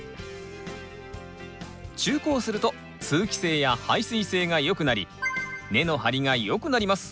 中耕すると通気性や排水性がよくなり根の張りがよくなります。